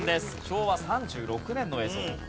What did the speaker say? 昭和３６年の映像。